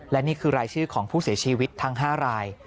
และนี่คือรายชื่อของผู้เสียชีวิตทั้ง๕ราย